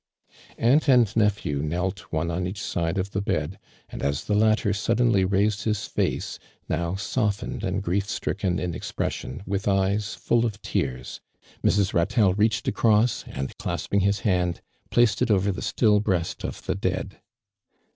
Aunt and nephew knelt one on each sidio of the bed, and as the latter suddenly raised his face, now softened and grief stricken in expression, with eyes full of tears, Mr.s. Ratelle reached across, and clasping his hand, placed it over the still breast of the dead.